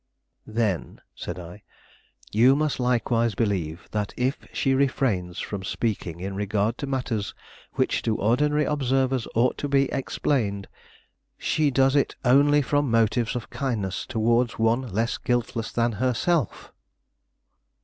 "Then," said I, "you must likewise believe that if she refrains from speaking in regard to matters which to ordinary observers ought to be explained, she does it only from motives of kindness towards one less guiltless than herself."